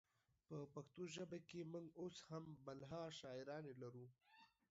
په پښتو ژبه کې مونږ اوس هم بلها شاعرانې لرو